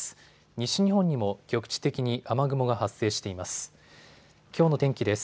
西日本にも局地的に雨雲が発生しています。